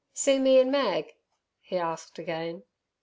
"See me an' Mag?" he asked again.